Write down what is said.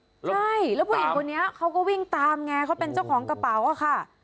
ใช่แล้วผู้หญิงคนนี้เขาก็วิ่งตามไงเขาเป็นเจ้าของกระเป๋าอะค่ะ